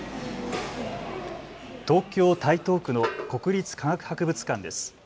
東京台東区の国立科学博物館です。